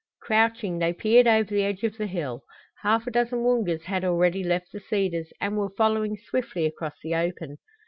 Crouching, they peered over the edge of the hill. Half a dozen Woongas had already left the cedars and were following swiftly across the open.